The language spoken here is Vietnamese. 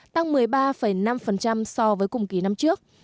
tăng một mươi ba năm so với cùng kỳ năm trước